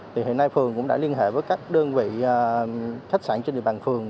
thì hiện nay phường cũng đã liên hệ với các đơn vị khách sạn trên địa bàn phường